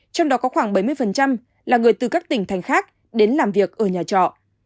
trong đó có khoảng bảy mươi là người từ các tỉnh thành khác đến làm việc ở nhà trọ